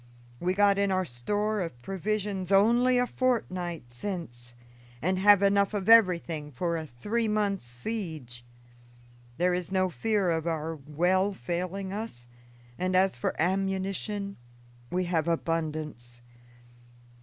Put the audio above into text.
We got in our store of provisions only a fortnight since, and have enough of everything for a three months' siege. There is no fear of our well failing us; and as for ammunition, we have abundance.